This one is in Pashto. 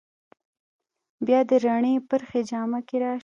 بیا د رڼې پرخې جامه کې راشه